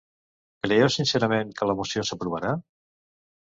Creieu sincerament que la moció s’aprovarà?